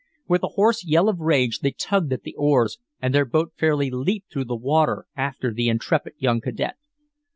With a hoarse yell of rage they tugged at the oars and their boat fairly leaped through the water after the intrepid young cadet.